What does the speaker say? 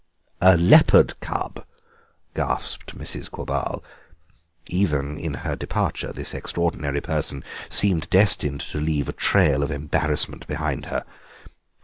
"A leopard cub!" gasped Mrs. Quabarl. Even in her departure this extraordinary person seemed destined to leave a trail of embarrassment behind her.